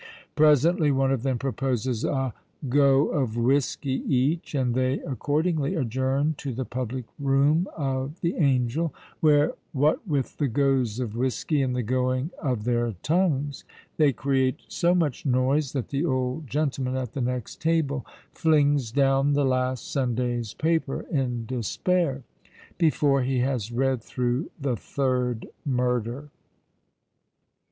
Presently one of them proposes a "go of whiskey" each; and they accordingly adjourn to the public room of the Angel, where, what with the goes of whiskey and the going of their tongues, they create so much noise that the old gentleman at the next table flings down the last Sunday's paper in despair, before he has read through the third murder.